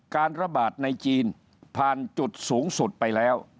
การระบาดในจีนผ่านจุดสูงสุดไปแล้ว